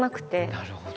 なるほど。